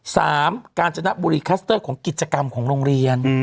กาญจนบุรีคลัสเตอร์ของกิจกรรมของโรงเรียน